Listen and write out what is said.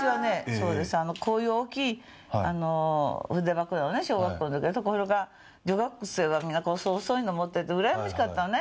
そうですこういう大きい筆箱よね小学校の時ところが女学生はみんな細いの持っててうらやましかったのね